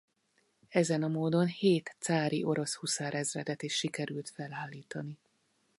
Ezen a módon hét cári orosz huszárezredet is sikerült felállítani.